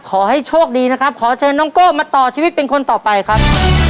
ขอให้โชคดีนะครับขอเชิญน้องโก้มาต่อชีวิตเป็นคนต่อไปครับ